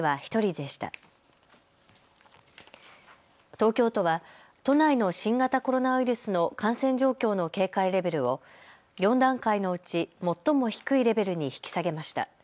東京都は都内の新型コロナウイルスの感染状況の警戒レベルを４段階のうち最も低いレベルに引き下げました。